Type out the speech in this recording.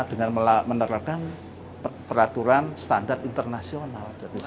dengan menerapkan peraturan standar internasional